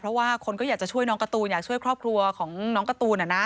เพราะว่าคนก็อยากจะช่วยน้องการ์ตูนอยากช่วยครอบครัวของน้องการ์ตูน